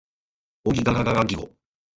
ゴギガガガギゴ